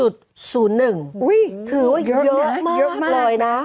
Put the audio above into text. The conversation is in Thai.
ถือว่าเยอะมากเลยนะ